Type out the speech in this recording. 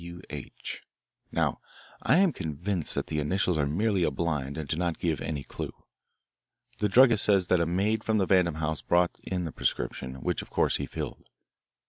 W. H.' Now, I am convinced that the initials are merely a blind and do not give any clue. The druggist says that a maid from the Vandam house brought in the prescription, which of course he filled.